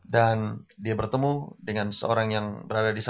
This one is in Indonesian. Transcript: dan dia bertemu dengan seorang yang berada di sana